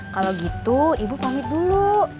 kalau gitu ibu pamit dulu